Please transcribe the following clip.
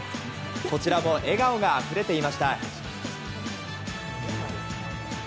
こちらも笑顔があふれていました。